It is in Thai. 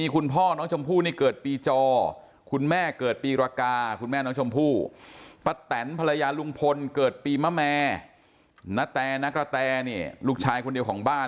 คนเกิดปีมาม่าณแททนกระแทนี่ลูกชายคนเดียวของบ้าน